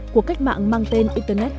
của cách mạng mang tên internet